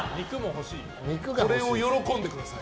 これを喜んでください。